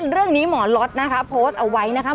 เรื่องนี้หมอล็อตนะคะโพสต์เอาไว้นะคะ